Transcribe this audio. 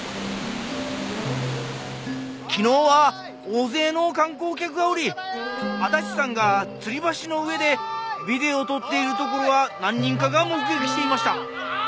昨日は大勢の観光客がおり足立さんが吊り橋の上でビデオ撮っているところは何人かが目撃していました。